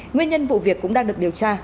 nguyên nhân vụ việc cũng đang được điều tra